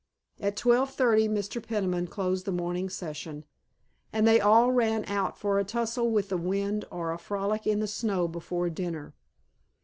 At twelve thirty Mr. Peniman closed the morning session, and they all ran out for a tussle with the wind or a frolic in the snow before dinner.